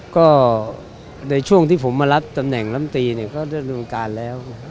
ก็ในช่วงที่ผมมารับตำแหน่งล้ำตรีก็เรียนร่วมการแล้ว